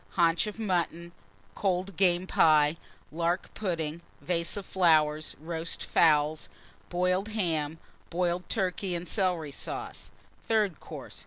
_ Haunch of Mutton. Cold Game Pie. Lark Pudding. Vase of Roast Fowls. Flowers. Boiled Ham. Boiled Turkey and Celery Sauce. _Third Course.